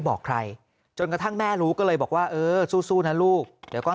บอกใครจนกระทั่งแม่รู้ก็เลยบอกว่าเออสู้นะลูกเดี๋ยวก็